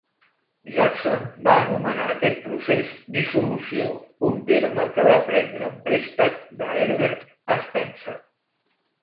Jackson va anomenar aquest procés 'dissolució', un terme que va prendre en préstec de Herbert Spencer.